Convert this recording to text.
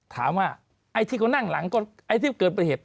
ถามว่าไอ้ที่เขานั่งหลังก็ไอ้ที่เกิดเป็นเหตุ